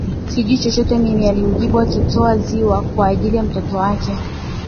Sijui chochote mimi alimjibu akitoa ziwa kwa ajili ya mtoto wake